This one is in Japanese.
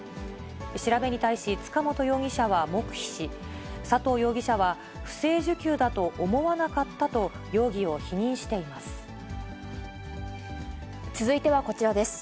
調べに対し、塚本容疑者は黙秘し、佐藤容疑者は、不正受給だと思わなかったと容疑を否認しています。